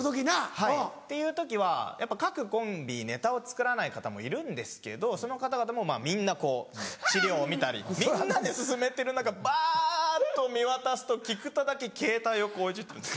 はいっていう時はやっぱ各コンビネタを作らない方もいるんですけどその方々もみんな資料見たりみんなで進めてる中バっと見渡すと菊田だけケータイをいじってるんです。